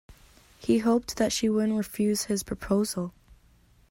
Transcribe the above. He hoped that she wouldn't refuse his proposal